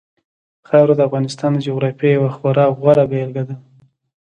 خاوره د افغانستان د جغرافیې یوه خورا غوره بېلګه ده.